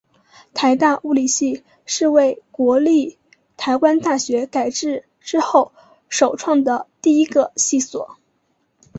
台大物理系是为国立台湾大学改制之后首创的第一个系所。